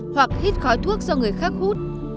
hoặc hít khói thuốc do người khác hút